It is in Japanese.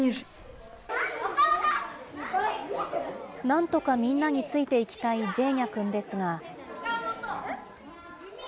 なんとかみんなについていきたいジェーニャ君ですが。